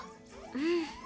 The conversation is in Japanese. うん。